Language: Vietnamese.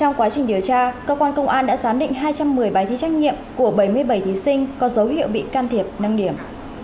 trong quá trình điều tra cơ quan công an đã giám định hai trăm một mươi bài thi trách nhiệm của bảy mươi bảy thí sinh có dấu hiệu bị can thiệp nâng điểm